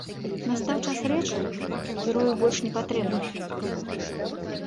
Настаў час рэчаў, героі больш не патрэбныя.